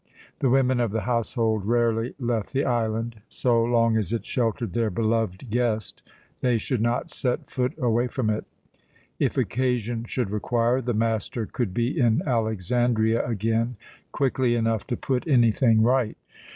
The women of the household rarely left the island. So long as it sheltered their beloved guest, they should not set foot away from it. If occasion should require, the master could be in Alexandria again quickly enough to put anything right.